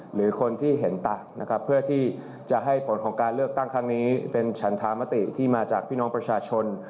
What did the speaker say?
หรือคนที่เห็นต่างนะครับเพื่อที่จะให้ผลของการเลือกตั้งครั้งนี้เป็นฉันธามติที่มาจากพี่น้องประชาชน